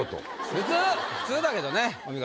普通普通だけどねお見事。